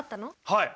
はい！